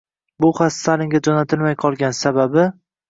Bu xat Stalinga jo’natilmay qolgan, sababi…